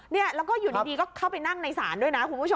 เนี่ยแล้วก็อยู่ดีก็เข้าไปนั่งในศาลด้วยนะคุณผู้ชม